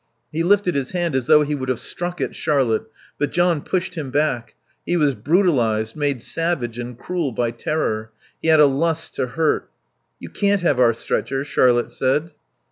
He lifted his hand as though he would have struck at Charlotte, but John pushed him back. He was brutalized, made savage and cruel by terror; he had a lust to hurt. "You can't have our stretcher," Charlotte said.